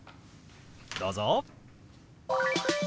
どうぞ！